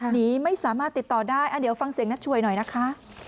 หนีไม่สามารถติดต่อได้เดี๋ยวฟังเสียงนัทช่วยหน่อยนะคะ